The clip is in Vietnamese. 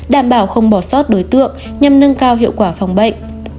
đảm bảo không bỏ sót đối tượng nhằm nâng cao hiệu quả phòng bệnh